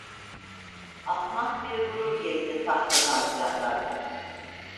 Ahmak bir gurur gezdi tahtadan silahlarda.